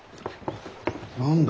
何だ？